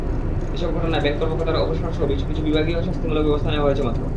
এসব ঘটনায় ব্যাংক কর্মকর্তাদের অপসারণসহ কিছু বিভাগীয় শাস্তিমূলক ব্যবস্থা নেওয়া হয়েছে মাত্র।